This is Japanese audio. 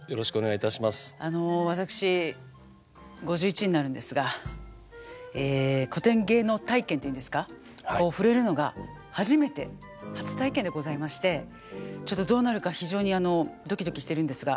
あの私５１になるんですが古典芸能体験というんですか触れるのが初めて初体験でございましてちょっとどうなるか非常にドキドキしてるんですが。